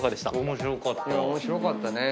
面白かったね。